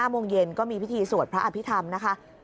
โมงเย็นก็มีพิธีสวดพระอภิษฐรรมนะคะ